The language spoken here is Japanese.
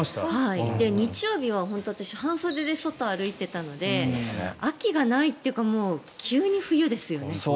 日曜日は本当に私は半袖で外を歩いていたので秋がないっていうかもう急に冬ですよね。